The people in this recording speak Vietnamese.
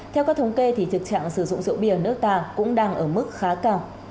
theo các thống kê thì thực trạng sử dụng rượu bia ở nước ta cũng đang ở mức khá cao